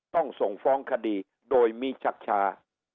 ต้องส่งฟ้องคดีโดยมิชักชา